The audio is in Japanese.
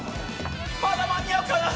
まだ間に合うかな。